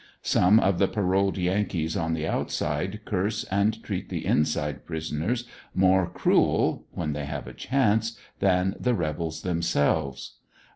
Some jof the paroled Yankees on the outside curse and treat the inside prisoners more cruel (when they have a chance,) than the rebels themselves.